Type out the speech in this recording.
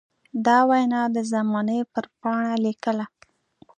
دا وينا د زمانې پر پاڼه ليکله.